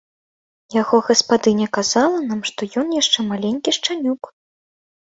Яго гаспадыня казала нам, што ён яшчэ маленькі шчанюк.